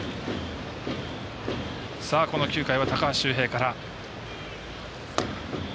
９回は高橋周平から。